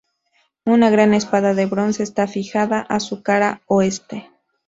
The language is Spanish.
Una gran espada de bronce está fijada a su cara oeste.